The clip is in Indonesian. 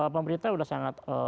pemerintah udah sangat berpengaruh